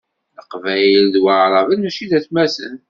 Leqbayel d waɛraben mačči d atmaten.